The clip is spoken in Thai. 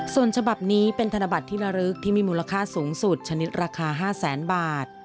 ส่วนฉบับนี้เป็นธนบัตรที่ระลึกที่มีมูลค่าสูงสุดชนิดราคา๕แสนบาท